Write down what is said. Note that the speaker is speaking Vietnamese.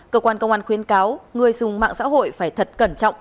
cơ quan công an khuyên cáo người dùng mạng xã hội phải thật cẩn trọng